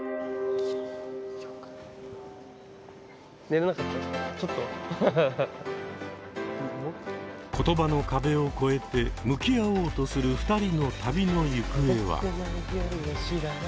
例えば言葉の壁を超えて向き合おうとする２人の旅の行方は？